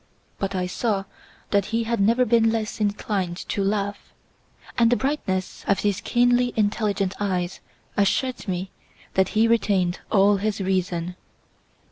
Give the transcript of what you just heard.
But I saw that he had never been less inclined to laugh, and the brightness of his keenly intelligent eyes assured me that he retained all his reason.